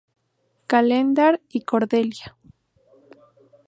Calendar y Cordelia.